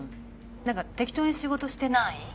何か適当に仕事してない？